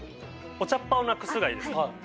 お茶っ葉をなくすがいいですか？